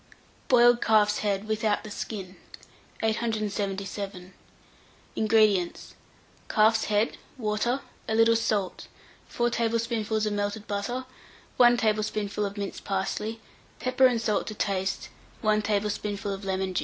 BOILED CALF'S HEAD (without the Skin). 877. INGREDIENTS. Calf's head, water, a little salt, 4 tablespoonfuls of melted butter, 1 tablespoonful of minced parsley, pepper and salt to taste, 1 tablespoonful of lemon juice.